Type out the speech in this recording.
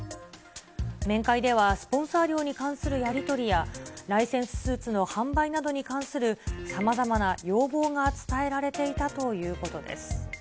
面会ではスポンサー料に関するやり取りや、ライセンススーツの販売などに関するさまざまな要望が伝えられていたということです。